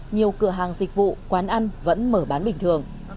nhiều cửa hàng dịch vụ quán ăn vẫn mở bán bình thường